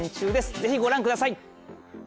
ぜひご覧ください。